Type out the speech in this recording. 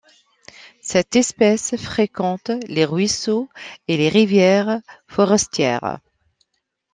Cette espèce fréquente les ruisseaux et les rivières forestières.